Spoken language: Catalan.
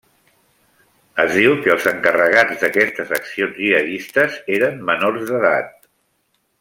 Es diu que els encarregats d'aquestes accions gihadistes eren menors d'edat.